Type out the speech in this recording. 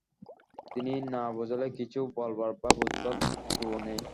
তিনি না বুঝালে কিছু বলবার বা বুঝবার যো নেই।